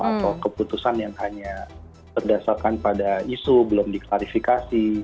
atau keputusan yang hanya berdasarkan pada isu belum diklarifikasi